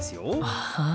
ああ。